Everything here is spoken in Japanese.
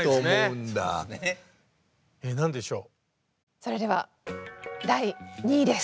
それでは第２位です。